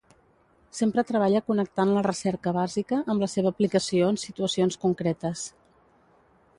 Sempre treballa connectant la recerca bàsica amb la seva aplicació en situacions concretes.